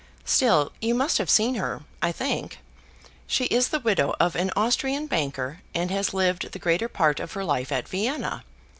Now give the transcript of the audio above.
Still you must have seen her, I think. She is the widow of an Austrian banker, and has lived the greater part of her life at Vienna.